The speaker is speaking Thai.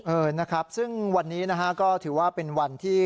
เออนะครับซึ่งวันนี้นะฮะก็ถือว่าเป็นวันที่